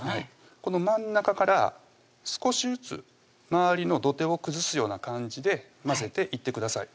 この真ん中から少しずつ周りの土手を崩すような感じで混ぜていってください